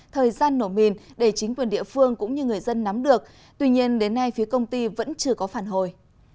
thời gian nổ mìn để chính quyền địa phương cũng như người dân nắm được tuy nhiên đến nay phía công ty vẫn chưa có phản hồi